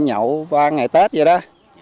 nhậu ba ngày tết vậy đó